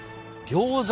ギョーザ。